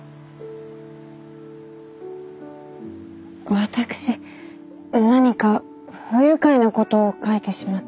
私何か不愉快なことを描いてしまったのかと。